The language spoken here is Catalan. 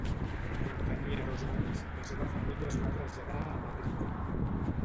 Quan tenia dos anys, la seva família es va traslladar a Madrid.